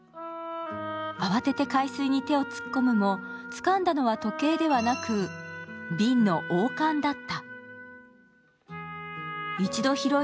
慌てて海水に手を突っ込むもつかんだのは時計ではなく瓶の王冠だった。